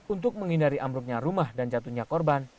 untuk menghindari ambruknya rumah dan jatuhnya korban